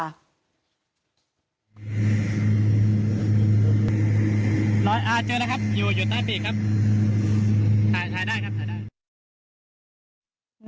รอยเจอแล้วครับอยู่อยู่ใต้ปีกครับถ่ายถ่ายได้ครับถ่ายได้